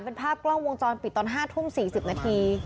เป็นภาพกล้องวงจรปิดตอน๕ทุ่ม๔๐นาที